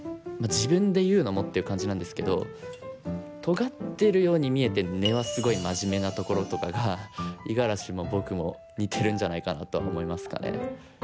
自分で言うのもっていう感じなんですけどとがってるように見えて根はすごいマジメなところとかが五十嵐も僕も似てるんじゃないかなとは思いますかね。